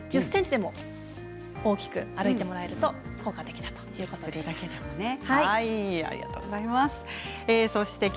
１０ｃｍでも大きく歩いていただくと効果的ということでした。